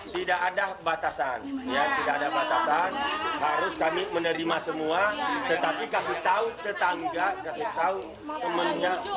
tidak ada batasan harus kami menerima semua tetapi kasih tahu tetangga kasih tahu temannya